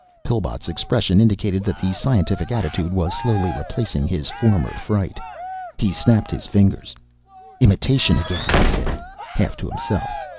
Pillbot's expression indicated that the scientific attitude was slowly replacing his former fright. He snapped his fingers. "Imitation again!" he said, half to himself.